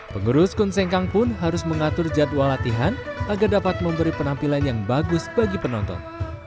pengurus kun sengkang pun harus mengatur jadwal latihan agar dapat memberi penampilan yang bagus bagi penonton